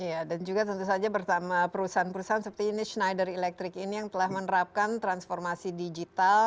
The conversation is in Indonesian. iya dan juga tentu saja bersama perusahaan perusahaan seperti ini schneider electric ini yang telah menerapkan transformasi digital